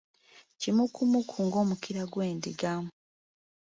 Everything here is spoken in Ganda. Kimunkumunku ng’omukira gw’endiga.